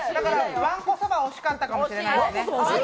わんこそば、惜しかったかもしれないよね。